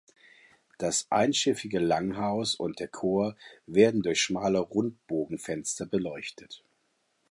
Das einschiffige Langhaus und der Chor werden durch schmale Rundbogenfenster beleuchtet.